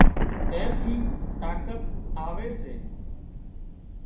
اين ٿي طاقت آوي سي